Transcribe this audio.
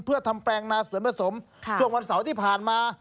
เพื่อทำแปลงนาเสริมผสมช่วงวันเสาร์ที่ผ่านมา